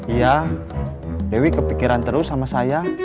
iya dewi kepikiran terus sama saya